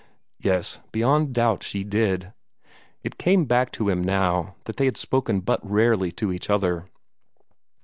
Yes, beyond doubt she did. It came back to him now that they had spoken but rarely to each other.